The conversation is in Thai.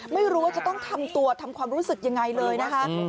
ไม่รู้ว่าจะต้องทำตัวทำความรู้สึกยังไงเลยนะคะ